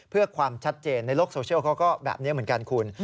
เพื่อความชัดเจนในโลกโซเชียลเขาก็แบบนี้เหมือนกันคุณ